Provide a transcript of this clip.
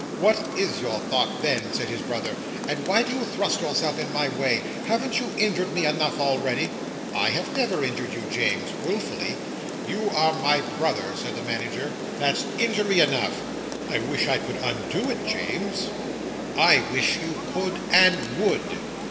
"What is your thought, then?" said his brother, "and why do you thrust yourself in my way? Haven't you injured me enough already?" "I have never injured you, James, wilfully." "You are my brother," said the Manager. "That's injury enough." "I wish I could undo it, James." "I wish you could and would."